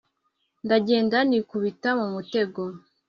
ndagenda nikubita umutego